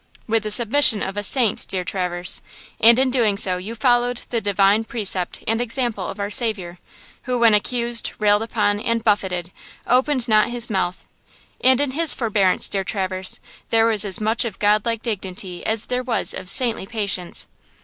"With the submission of a saint, dear Traverse; and in doing so you followed the divine precept and example of Our Saviour, who, when accused, railed upon, and buffeted, 'opened not his mouth.' And in His forbearance, dear Traverse, there was as much of God like dignity as there was of saintly patience.